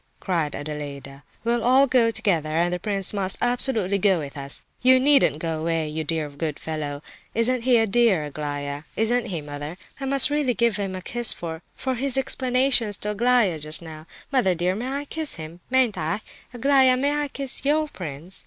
cried Adelaida. "We'll all go together, and the prince must absolutely go with us. You needn't go away, you dear good fellow! Isn't he a dear, Aglaya? Isn't he, mother? I must really give him a kiss for—for his explanation to Aglaya just now. Mother, dear, I may kiss him, mayn't I? Aglaya, may I kiss your prince?"